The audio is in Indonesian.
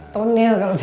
tonel kalau tidak salah